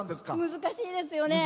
難しいですよね。